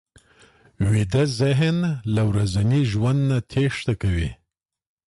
ویده ذهن له ورځني ژوند نه تېښته کوي